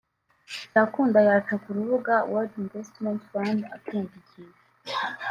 byakunda yaca ku rubuga World Investment Fund akiyandikisha